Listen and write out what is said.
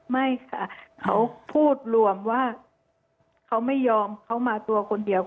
ไม่ค่ะเขาพูดรวมว่าเขาไม่ยอมเขามาตัวคนเดียว